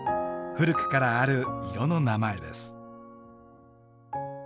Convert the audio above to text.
古くからある色の名前です。